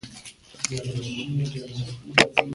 په هغه څه خوښي چې لرو ډېره اړینه ده.